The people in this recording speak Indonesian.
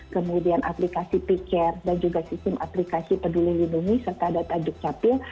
kemudian aplikasi picare dan juga sistem aplikasi peduli lindungi serta data dukcapil